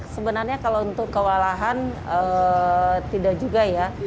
sebenarnya kalau untuk kewalahan tidak juga ya